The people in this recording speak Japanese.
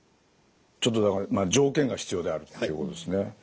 ちょっとだから条件が必要であるということですね。